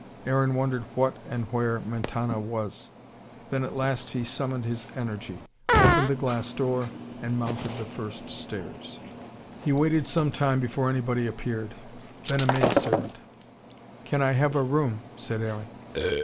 Aaron wondered what and where Mentana was. Then at last he summoned his energy, opened the glass door, and mounted the first stairs. He waited some time before anybody appeared. Then a maid servant. "Can I have a room?" said Aaron.